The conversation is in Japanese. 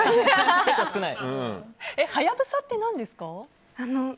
はやぶさって、何ですか？